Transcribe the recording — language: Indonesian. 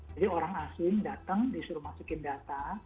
jadi orang asing datang disuruh masukin data